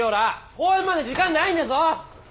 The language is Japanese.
公演まで時間ないんだぞ！